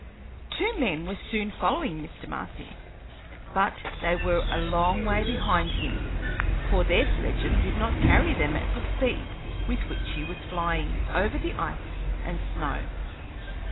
Two men were soon following Mr. Marcy, but they were a long way behind him, for their sledges did not carry them at the speed with which he was flying over the ice and snow.